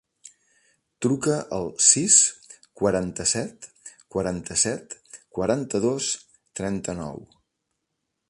Truca al sis, quaranta-set, quaranta-set, quaranta-dos, trenta-nou.